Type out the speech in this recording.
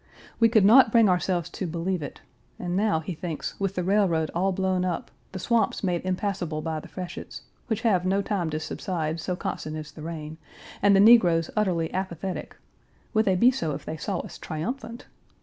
We could not bring ourselves to believe it, and now, he thinks, with the railroad all blown up, the swamps made impassable by the freshets, which have no time to subside, so constant is the rain, and the negroes utterly apathetic (would they be so if they saw us triumphant?)